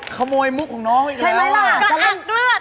ขโมยมุกของน้องอีกแล้ว